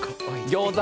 ギョーザ！